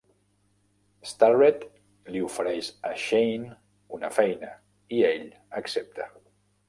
Starrett li ofereix a Shane una feina, i ell accepta.